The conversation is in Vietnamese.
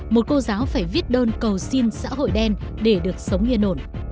một cô giáo phải viết đơn cầu xin xã hội đen để được sống yên ổn